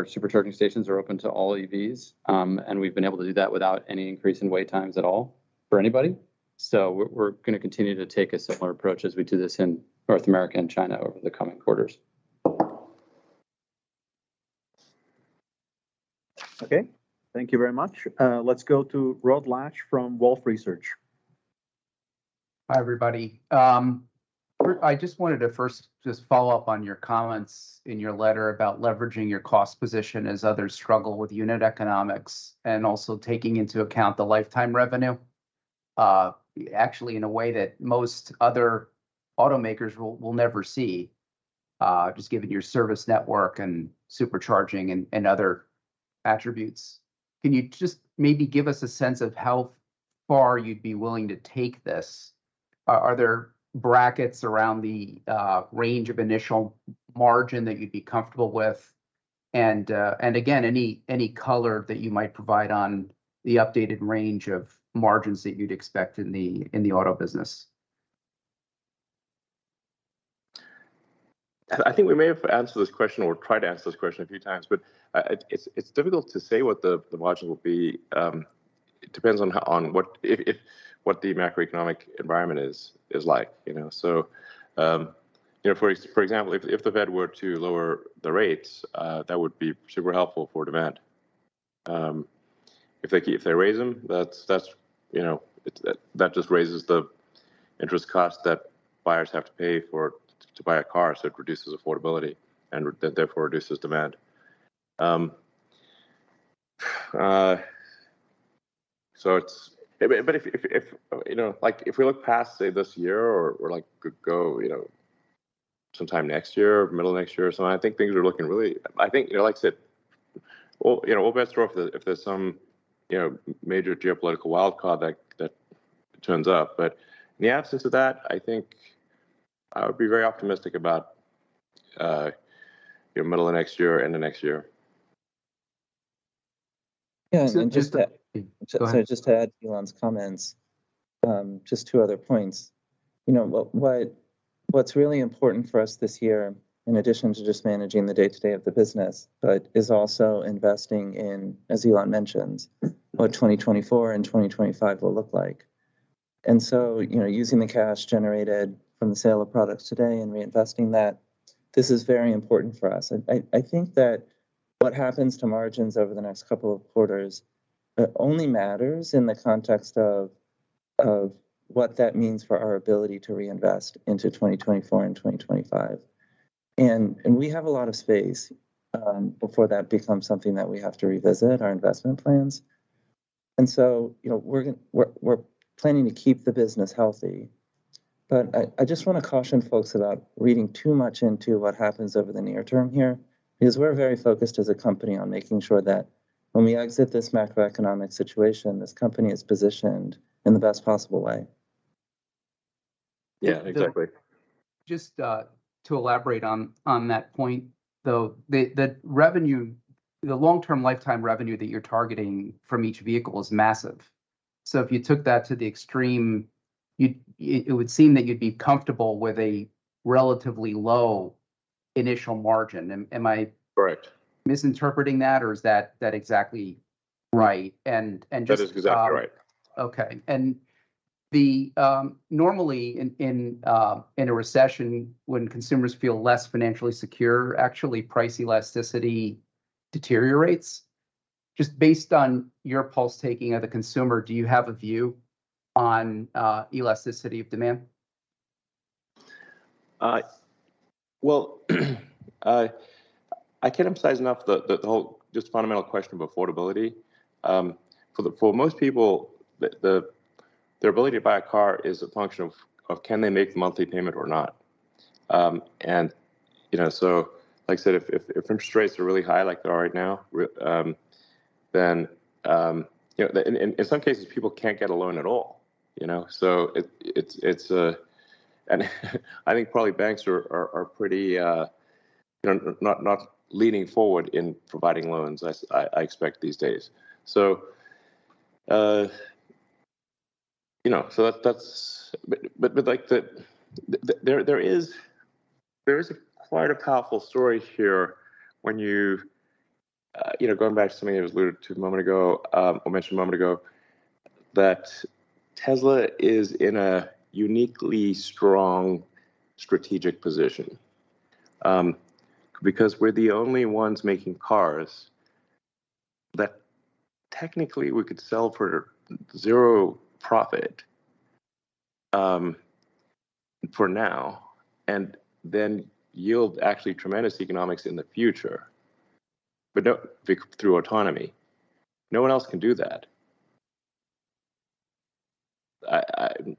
Supercharging stations are open to all EVs. We've been able to do that without any increase in wait times at all for anybody. We're gonna continue to take a similar approach as we do this in North America and China over the coming quarters. Okay. Thank you very much. Let's go to Rod Lache from Wolfe Research. Hi, everybody. I just wanted to first just follow up on your comments in your letter about leveraging your cost position as others struggle with unit economics and also taking into account the lifetime revenue, actually in a way that most other automakers will never see, just given your service network and Supercharging and other attributes. Can you just maybe give us a sense of how far you'd be willing to take this? Are there brackets around the range of initial margin that you'd be comfortable with? And again, any color that you might provide on the updated range of margins that you'd expect in the auto business. I think we may have answered this question or tried to answer this question a few times, but it's difficult to say what the margin will be. It depends on what the macroeconomic environment is like, you know? You know, for example, if the Fed were to lower the rates, that would be super helpful for demand. If they raise them, that's, you know, that just raises the interest cost that buyers have to pay to buy a car, so it reduces affordability and therefore reduces demand. It's, if you know, like, if we look past, say, this year or like go, you know, sometime next year or middle of next year or something, I think things are looking really. I think, you know, like I said, all, you know, all bets are off if there's some, you know, major geopolitical wildcard that turns up. In the absence of that, I think I would be very optimistic about, you know, middle of next year or end of next year. Yeah Just to add to Elon's comments, just two other points. You know, what's really important for us this year, in addition to just managing the day-to-day of the business, but is also investing in, as Elon mentioned, what 2024 and 2025 will look like. Using the cash generated from the sale of products today and reinvesting that, this is very important for us. I think that what happens to margins over the next couple of quarters, only matters in the context of what that means for our ability to reinvest into 2024 and 2025. We have a lot of space before that becomes something that we have to revisit our investment plans. We're planning to keep the business healthy. I just wanna caution folks about reading too much into what happens over the near term here, because we're very focused as a company on making sure that when we exit this macroeconomic situation, this company is positioned in the best possible way. Yeah, exactly. Just to elaborate on that point, though, the revenue, the long-term lifetime revenue that you're targeting from each vehicle is massive. If you took that to the extreme, it would seem that you'd be comfortable with a relatively low initial margin. Am I Correct misinterpreting that, or is that exactly right? That is exactly right. Okay. Normally in a recession when consumers feel less financially secure, actually price elasticity deteriorates. Just based on your pulse taking of the consumer, do you have a view on elasticity of demand? Well, I can't emphasize enough the whole just fundamental question of affordability. For most people, their ability to buy a car is a function of can they make the monthly payment or not. You know, like I said, if interest rates are really high like they are right now, then, you know, in some cases people can't get a loan at all, you know? It's, I think probably banks are pretty, you know, not leaning forward in providing loans as I expect these days. You know, that's. Like the, there is a quite a powerful story here when you know, going back to something that was alluded to a moment ago, or mentioned a moment ago, that Tesla is in a uniquely strong strategic position. We're the only ones making cars that technically we could sell for zero profit, for now, and then yield actually tremendous economics in the future, but through autonomy. No one else can do that. I'm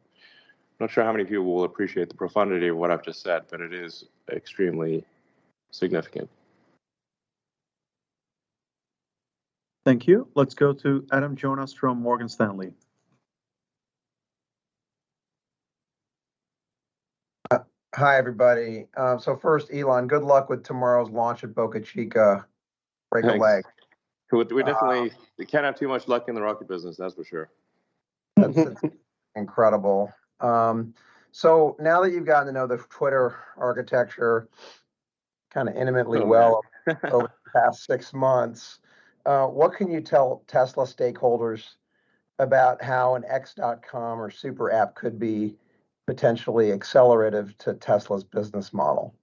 not sure how many of you will appreciate the profundity of what I've just said. It is extremely significant. Thank you. Let's go to Adam Jonas from Morgan Stanley. Hi, everybody. First, Elon, good luck with tomorrow's launch at Boca Chica. Thanks. Break a leg. We can't have too much luck in the rocket business, that's for sure. That's incredible. Now that you've gotten to know the Twitter architecture kinda intimately well over the past six months, what can you tell Tesla stakeholders about how an X or super app could be potentially accelerative to Tesla's business model?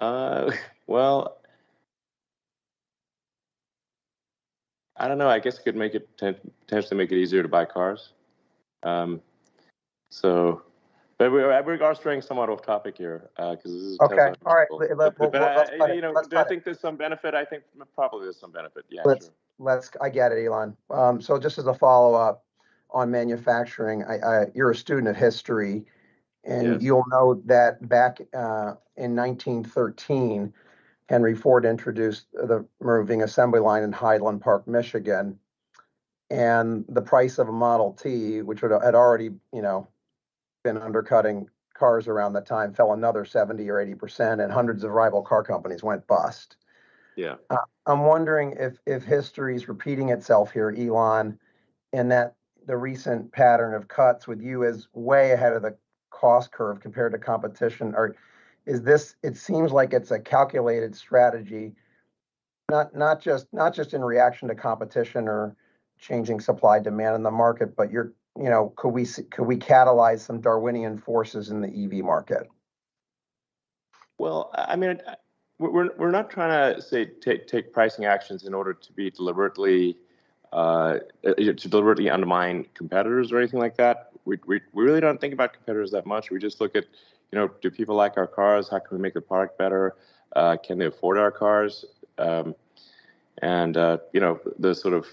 Well, I don't know. I guess it could potentially make it easier to buy cars. I think we're straying somewhat off topic here, 'cause this is Tesla's- Okay. All right. We'll. You know, do I think there's some benefit? I think probably there's some benefit, yeah, sure. Let's. I get it, Elon. Just as a follow-up on manufacturing, I you're a student of history. You'll know that back, in 1913, Henry Ford introduced the moving assembly line in Highland Park, Michigan. The price of a Model T, which had already, you know, been undercutting cars around that time, fell another 70% or 80%, and hundreds of rival car companies went bust. Yeah. I'm wondering if history is repeating itself here, Elon, in that the recent pattern of cuts with you is way ahead of the cost curve compared to competition. Is this, it seems like it's a calculated strategy, not just in reaction to competition or changing supply demand in the market, but you're, you know, could we catalyze some Darwinian forces in the EV market? Well, I mean, we're not trying to take pricing actions in order to be deliberately, you know, to deliberately undermine competitors or anything like that. We really don't think about competitors that much. We just look at, you know, do people like our cars? How can we make the product better? Can they afford our cars? You know, the sort of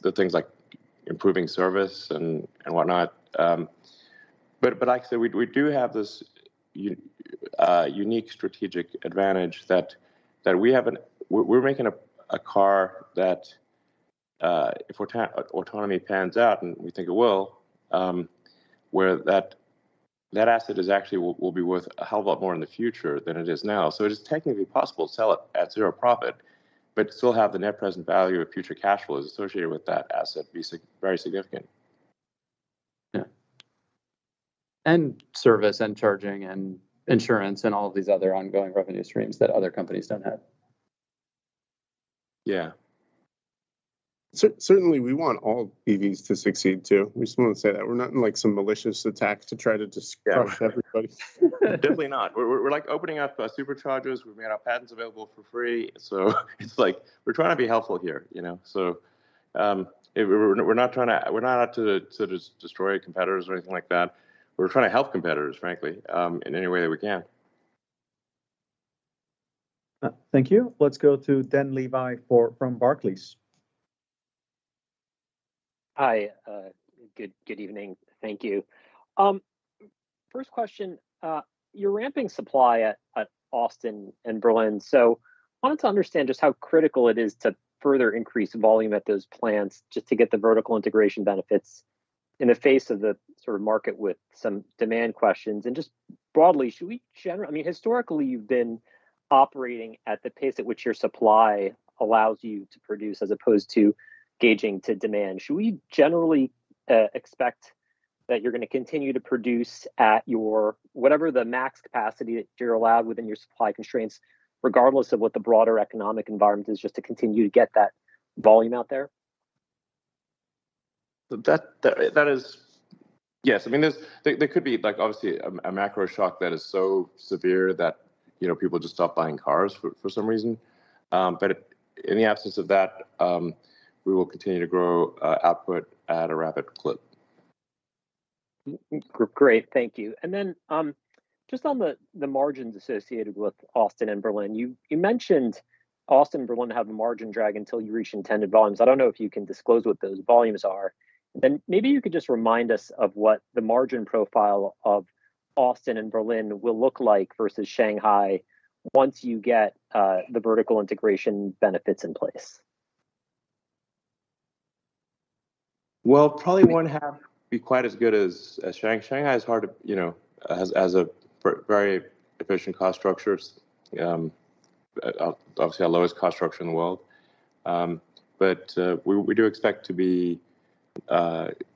the things like improving service and whatnot. But like I said, we do have this unique strategic advantage that we're making a car that if autonomy pans out, and we think it will, where that asset is actually will be worth a hell of a lot more in the future than it is now. it is technically possible to sell it at zero profit, but still have the net present value of future cash flows associated with that asset be very significant. Yeah. Service and charging and insurance and all of these other ongoing revenue streams that other companies don't have. Yeah. Certainly we want all EVs to succeed too. We just wanna say that. We're not in like some malicious attack to try to crush everybody's business. Definitely not. We're, like, opening up Superchargers. We've made our patents available for free. It's like we're trying to be helpful here, you know, we're not out to destroy competitors or anything like that. We're trying to help competitors, frankly, in any way that we can. Thank you. Let's go to Dan Levy from Barclays. Hi. Good evening. Thank you. First question. You're ramping supply at Austin and Berlin, so I want to understand just how critical it is to further increase volume at those plants just to get the vertical integration benefits in the face of the sort of market with some demand questions. Just broadly, should we I mean, historically, you've been operating at the pace at which your supply allows you to produce as opposed to gauging to demand. Should we generally expect that you're gonna continue to produce at your, whatever the max capacity that you're allowed within your supply constraints, regardless of what the broader economic environment is, just to continue to get that volume out there? That. Yes, I mean, there's like, obviously, a macro shock that is so severe that, you know, people just stop buying cars for some reason. In the absence of that, we will continue to grow output at a rapid clip. Great. Thank you. Just on the margins associated with Austin and Berlin, you mentioned Austin and Berlin have a margin drag until you reach intended volumes. I don't know if you can disclose what those volumes are. Maybe you could just remind us of what the margin profile of Austin and Berlin will look like versus Shanghai once you get the vertical integration benefits in place. Probably one half be quite as good as Shanghai. Shanghai is hard to, you know, has a very efficient cost structures, obviously our lowest cost structure in the world. We do expect to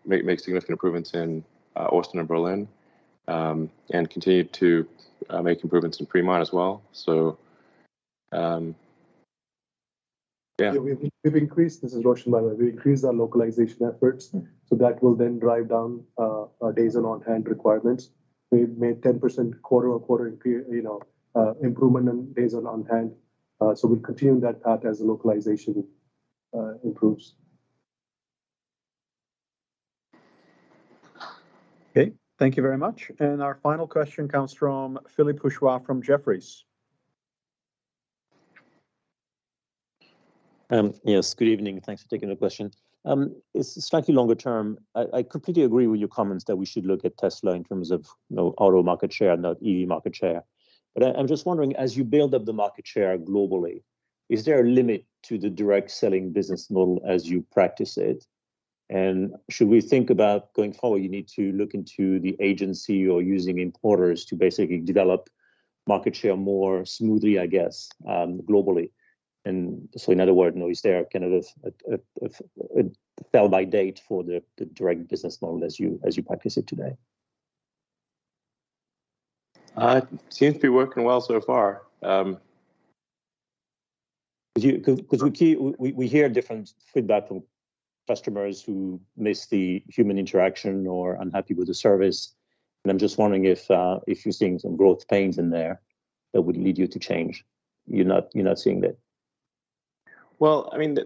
make significant improvements in Austin and Berlin and continue to make improvements in Fremont as well. Yeah. We've increased. This is Roshan, by the way. We increased our localization efforts. Mm-hmm. That will then drive down our days on on-hand requirements. We've made 10% quarter-over-quarter you know, improvement in days on on-hand. We'll continue that path as localization improves. Okay. Thank you very much. Our final question comes from Philippe Houchois from Jefferies. Yes. Good evening. Thanks for taking the question. It's slightly longer term. I completely agree with your comments that we should look at Tesla in terms of, you know, auto market share, not EV market share. I'm just wondering, as you build up the market share globally, is there a limit to the direct selling business model as you practice it? Should we think about going forward, you need to look into the agency you're using importers to basically develop market share more smoothly, I guess, globally? In other words, you know, is there kind of a sell by date for the direct business model as you, as you practice it today? Seems to be working well so far. 'Cause we hear different feedback from customers who miss the human interaction or unhappy with the service. I'm just wondering if you're seeing some growth pains in there that would lead you to change. You're not, you're not seeing that? Well, I mean,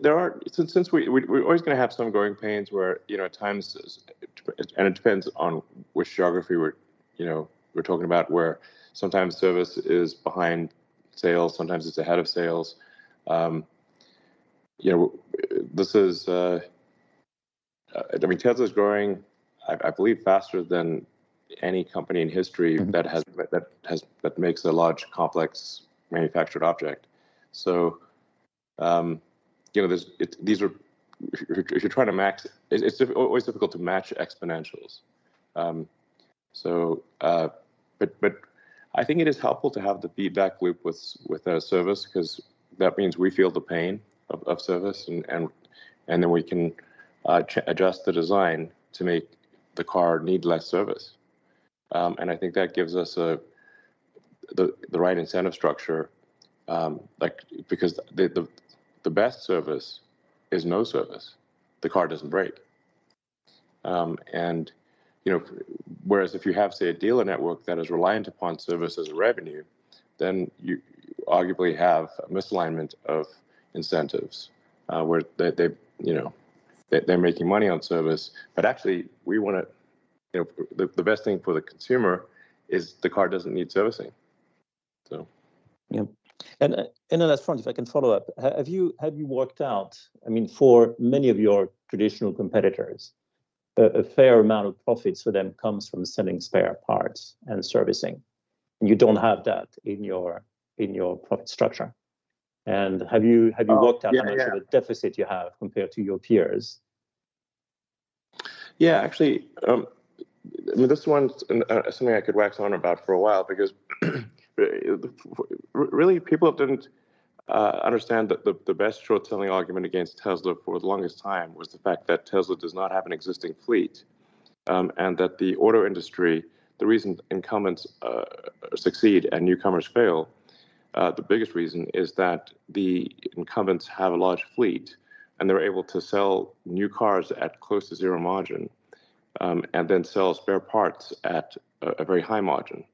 since we're always gonna have some growing pains where, you know, at times, and it depends on which geography we're, you know, we're talking about, where sometimes service is behind sales, sometimes it's ahead of sales. You know, this is, I mean, Tesla's growing, I believe, faster than any company in history- Mm-hmm That has that makes a large, complex, manufactured object. You know, there's, these are If you're trying to max, it's always difficult to match exponentials. But I think it is helpful to have the feedback loop with service 'cause that means we feel the pain of service, and then we can adjust the design to make the car need less service. I think that gives us the right incentive structure, like, because the best service is no service. The car doesn't break. You know, whereas if you have, say, a dealer network that is reliant upon service as revenue, then you arguably have a misalignment of incentives, where they, you know, they're making money on service. Actually, you know, the best thing for the consumer is the car doesn't need servicing. Yeah. Then last one, if I can follow up. Have you worked out, I mean, for many of your traditional competitors, a fair amount of profits for them comes from selling spare parts and servicing, and you don't have that in your profit structure. Have you worked out the deficit you have compared to your peers? Yeah, actually, I mean, this one's something I could wax on about for a while because really, people didn't understand that the best short-selling argument against Tesla for the longest time was the fact that Tesla does not have an existing fleet, and that the auto industry, the reason incumbents succeed and newcomers fail, the biggest reason is that the incumbents have a large fleet, and they're able to sell new cars at close to zero margin, and then sell spare parts at a very high margin,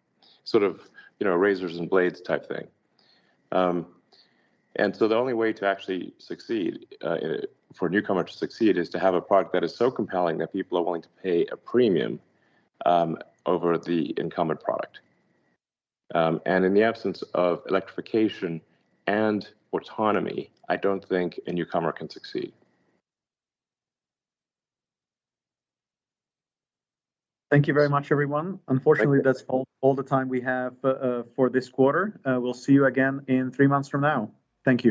sort of, you know, Razors and Blades type thing. The only way to actually succeed for a newcomer to succeed is to have a product that is so compelling that people are willing to pay a premium over the incumbent product. In the absence of electrification and autonomy, I don't think a newcomer can succeed. Thank you very much, everyone. Unfortunately, that's all the time we have for this quarter. We'll see you again in 3 months from now. Thank you.